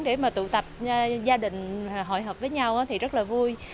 để mà tụ tập gia đình hội hợp với nhau thì rất là vui